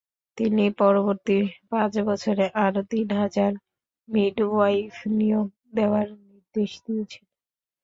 তিনি পরবর্তী পাঁচ বছরে আরও তিন হাজার মিডওয়াইফ নিয়োগ দেওয়ার নির্দেশ দিয়েছেন।